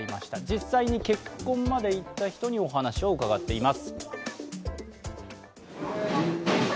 実際に結婚までいった人にお話を伺っています。